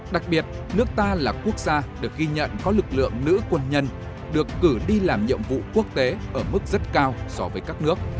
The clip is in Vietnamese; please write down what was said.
đặc biệt nước ta là quốc gia được ghi nhận có lực lượng nữ quân nhân được cử đi làm nhiệm vụ quốc tế ở mức rất cao so với các nước